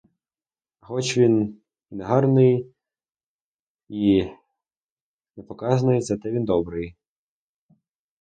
А хоч він і негарний, і непоказний, зате він добрий.